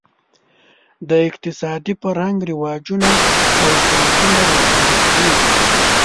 د اقتصادي فرهنګ رواجونه او سنتونه روښانه کوي.